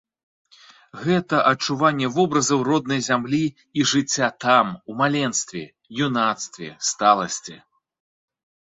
Гэта адчуванне вобразаў роднай зямлі і жыцця там, у маленстве, юнацтве, сталасці.